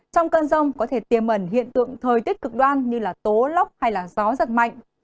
trong cơn rông có thể tiềm ẩn hiện tượng thời tích cực đoan như tố lốc hay gió rất mạnh